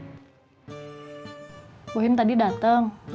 kalau pasti nggak positioned grip ini